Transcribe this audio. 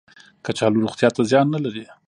کچالو روغتیا ته زیان نه لري